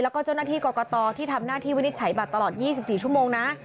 แล้วก็เจ้าหน้าที่กรกตที่ทำหน้าที่วินิจฉัยบัตรตลอด๒๔ชั่วโมงนะ